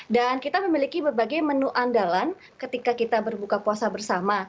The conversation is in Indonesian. dan kita memiliki berbagai menu andalan ketika kita berbuka puasa bersama